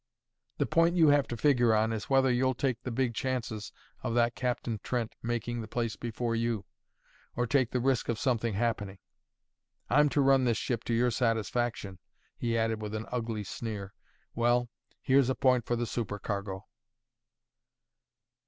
The point you have to figure on, is whether you'll take the big chances of that Captain Trent making the place before you, or take the risk of something happening. I'm to run this ship to your satisfaction," he added, with an ugly sneer. "Well, here's a point for the supercargo."